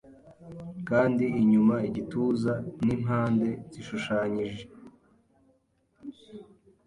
Kandi inyuma igituza n'impande zishushanyije